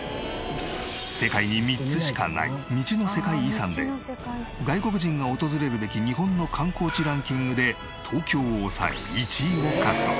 世界に３つしかない道の世界遺産で外国人が訪れるべき日本の観光地ランキングで東京を抑え１位を獲得。